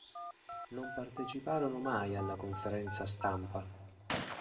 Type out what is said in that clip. Non parteciparono mai alla conferenza stampa.